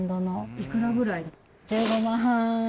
いくらぐらい？